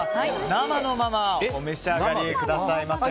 生のままお召し上がりくださいませ。